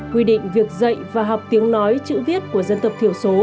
quy định việc dạy và học tiếng nói chữ viết của dân tộc thiểu số